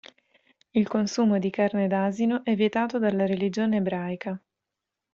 Il consumo di carne d’asino è vietato dalla religione ebraica.